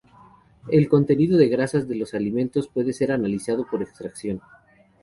El contenido de grasas de los alimentos puede ser analizado por extracción.